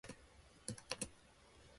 幕閣の利れ者